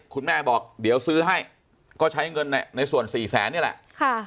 คุณแม่บอกเดี๋ยวซื้อให้ก็ใช้เงินในส่วนสี่แสนนี่แหละ